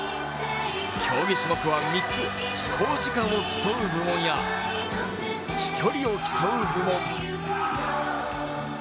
競技種目は３つ飛行時間を競う部門や飛距離を競う部門。